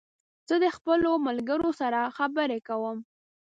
زه د خپلو ملګرو سره خبري کوم